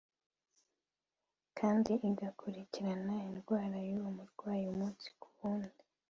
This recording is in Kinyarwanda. kandi igakurikirana indwara y’uwo murwayi umunsi ku wundi